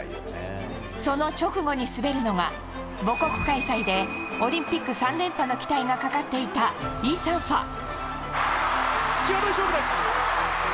その直後に滑るのが母国開催でオリンピック３連覇の期待がかかっていた、イ・サンファ。